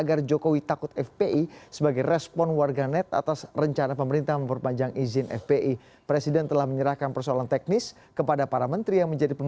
kami akan segera kembali